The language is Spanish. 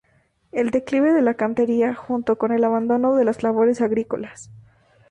El declive de la cantería, junto con el abandono de las labores agrícolas.